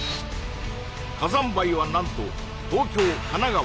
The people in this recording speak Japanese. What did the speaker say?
火山灰は何と東京神奈川